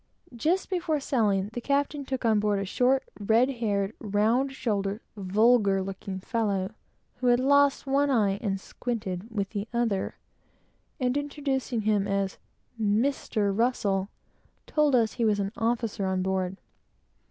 Just before sailing, the captain took on board a short, red haired, round shouldered, vulgar looking fellow, who had lost one eye, and squinted with the other, and introducing him as Mr. Russell, told us that he was an officer on board.